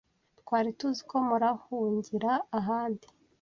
Twari tuzi ko murahungira ahandi.